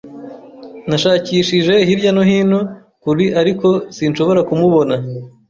Nashakishije hirya no hino kuri , ariko sinshobora kumubona.